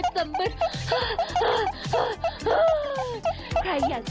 ทำไมไม่พี่